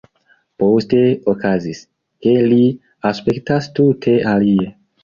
Poste okazis, ke li aspektas tute alie.